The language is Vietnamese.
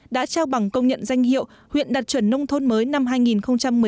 đã trao bằng công nhận danh hiệu huyện đạt chuẩn nông thôn mới năm hai nghìn một mươi chín